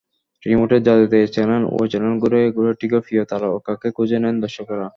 রিমোটের জাদুতে এ-চ্যানেল ও-চ্যানেল ঘুরে ঘুরে ঠিকই প্রিয় তারকাকে খুঁজে নেন দর্শকরা।